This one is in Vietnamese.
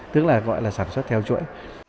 tức là gọi là sản xuất theo chuỗi